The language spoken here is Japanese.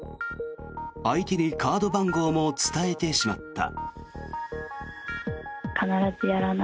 相手にカード番号も伝えてしまった。